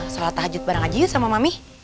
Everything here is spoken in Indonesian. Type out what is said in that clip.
sholat tahajud bareng aja yuk sama mami